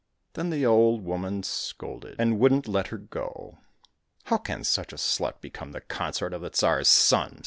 — Then the old woman scolded, and wouldn't let her go. '* How can such a slut become the consort of the Tsar's son